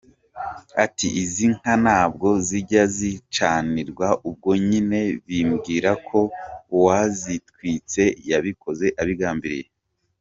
Ati"Izi nka ntabwo zijya zicanirwa, ubwo nyine bimbwira ko uwazitwitse yabikoze abigambiriye".